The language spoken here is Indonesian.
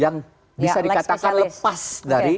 yang bisa dikatakan lepas dari